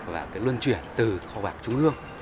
và cái luân chuyển từ kho bạc trung ương